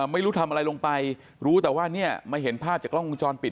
ไม่รู้ทำอะไรลงไปรู้แต่ว่าเนี่ยมาเห็นภาพจากกล้องวงจรปิด